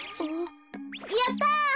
やった！